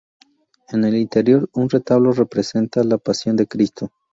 En el interior, un retablo representa la pasión de Cristo.